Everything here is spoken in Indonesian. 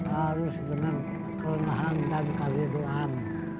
harus dengan renahan dan kawiruan